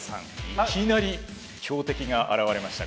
いきなり強敵が現れましたが。